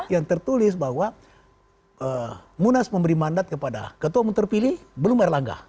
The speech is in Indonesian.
yang tertulis bahwa munas memberi mandat kepada ketua umum terpilih belum erlangga